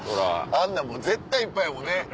あんなん絶対いっぱいやもんね